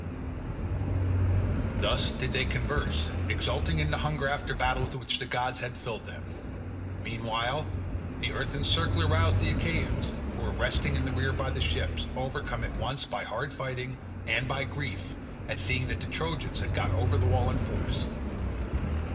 Thus did they converse, exulting in the hunger after battle with which the god had filled them. Meanwhile the earth encircler roused the Achaeans, who were resting in the rear by the ships overcome at once by hard fighting and by grief at seeing that the Trojans had got over the wall in force.